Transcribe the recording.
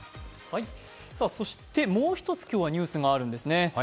そしてもう１つ今日はニュースがあるんですね。